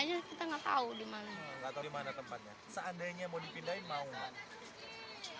nggak tahu di mana tempatnya seandainya mau dipindahin mau nggak